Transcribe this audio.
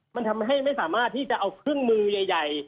มันทำให้ไม่สามารถที่จะเอาเครื่องมือใหญ่